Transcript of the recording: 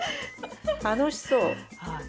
楽しそう！